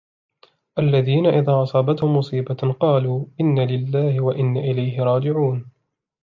الَّذِينَ إِذَا أَصَابَتْهُمْ مُصِيبَةٌ قَالُوا إِنَّا لِلَّهِ وَإِنَّا إِلَيْهِ رَاجِعُونَ